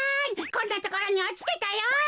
こんなところにおちてたよ！